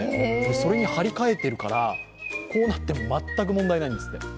それに張り替えてるからこうなっても全く問題ないんですって。